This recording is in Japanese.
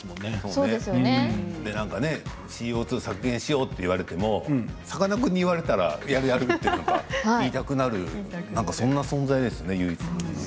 ＣＯ２を削減しようと言われてもさかなクンに言われたらやるやると言いたくなるそんな存在ですね。